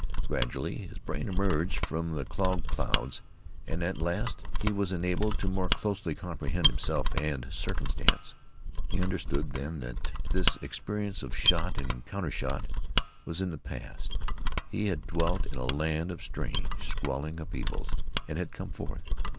Gradually his brain emerged from the clogged clouds, and at last he was enabled to more closely comprehend himself and circumstance. He understood then that the existence of shot and counter shot was in the past. He had dwelt in a land of strange, squalling upheavals and had come forth.